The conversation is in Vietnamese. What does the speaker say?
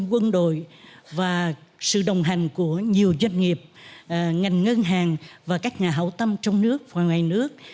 quân đội và sự đồng hành của nhiều doanh nghiệp ngành ngân hàng và các nhà hậu tâm trong nước và ngoài nước